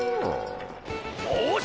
よし！